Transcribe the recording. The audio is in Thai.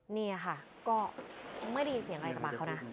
นี่ค่ะก็ไม่ได้ยินเสียงอะไรจากปากเขานะ